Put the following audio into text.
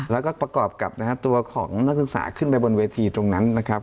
แล้วก็ประกอบกับนะฮะตัวของนักศึกษาขึ้นไปบนเวทีตรงนั้นนะครับ